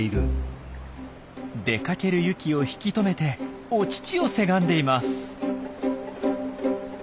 出かけるユキを引き止めてお乳をせがんでいます。